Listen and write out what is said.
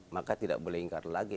maka tidak boleh ingkar lagi